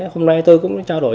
hôm nay tôi cũng trao đổi